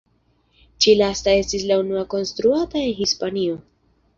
Ĉi lasta estis la unua konstruata en Hispanio.